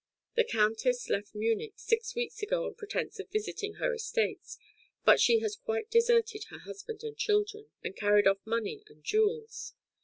The Countess left Munich six weeks ago on pretence of visiting her estates, but she has quite deserted her husband and children, and carried off money and jewels.